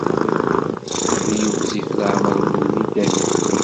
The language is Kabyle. Ad yiɣzif leɛmer-nwen i dayem!